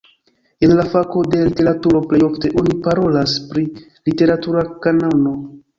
En la fako de literaturo plej ofte oni parolas pri literatura kanono.